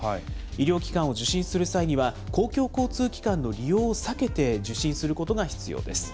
医療機関を受診する際には、公共交通機関の利用を避けて受診することが必要です。